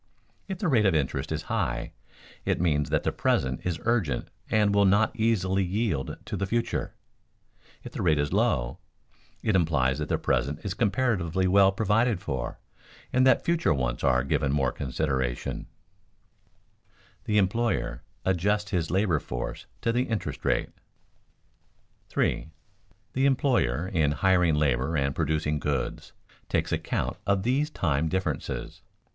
If the rate of interest is high, it means that the present is urgent and will not easily yield to the future. If the rate is low, it implies that the present is comparatively well provided for, and that future wants are given more consideration. [Sidenote: The employer adjusts his labor force to the interest rate] 3. _The employer in hiring labor and producing goods takes account of these time differences.